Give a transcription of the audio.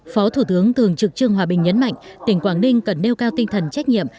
phó thủ tướng thường trực trương hòa bình nhấn mạnh tỉnh quảng ninh cần nêu cao tinh thần trách nhiệm